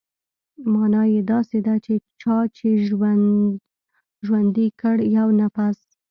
مانا يې داسې ده چې چا چې ژوندى کړ يو نفس.